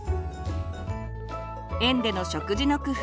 園での食事の工夫